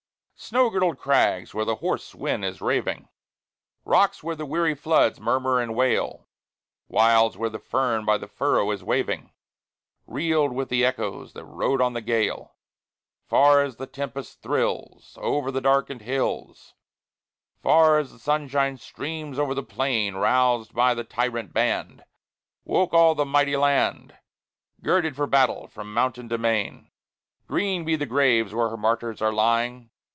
Snow girdled crags where the hoarse wind is raving, Rocks where the weary floods murmur and wail, Wilds where the fern by the furrow is waving, Reeled with the echoes that rode on the gale; Far as the tempest thrills Over the darkened hills, Far as the sunshine streams over the plain, Roused by the tyrant band, Woke all the mighty land, Girdled for battle, from mountain to main. Green be the graves where her martyrs are lying!